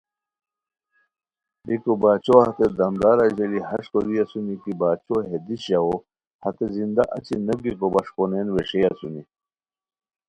بیکو باچھو ہتے دمدار اژیلی ہݰ کوری اسونی کی باچھو ہے دیش ژاوؤ ہتے زندہ اچی نوگیکو بݰ پونین ویݰئے اسونی